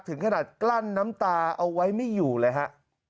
ถึงขนาดกลั้นน้ำตาเอาไว้ไม่อยู่เลยฮะ